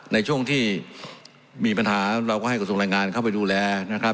ในช่วงที่มีปัญหาเราก็ให้กระทรวงแรงงานเข้าไปดูแลนะครับ